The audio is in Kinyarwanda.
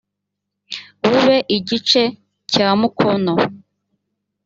bube igice cya mukono